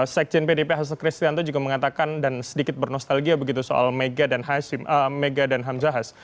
sekjen pdp hasto kristianto juga mengatakan dan sedikit bernostalgia begitu soal mega dan hamzahas